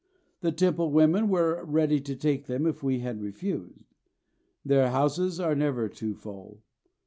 The Temple women were ready to take them if we had refused. Their houses are never too full.